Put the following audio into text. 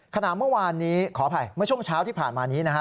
ขณะเมื่อวานนี้ขออภัยเมื่อช่วงเช้าที่ผ่านมานี้นะฮะ